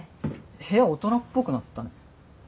部屋大人っぽくなったね。